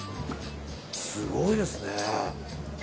すごいですね。